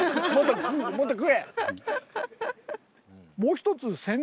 もっと食え。